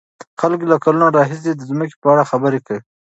خلک له کلونو راهيسې د ځمکې په اړه خبرې کوي.